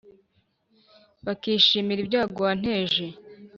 bakishimira ibyago wanteje.